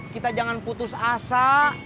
kita jangan putus asa